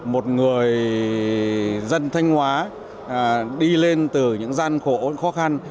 một người dân thanh hóa đi lên từ những gian khổ khó khăn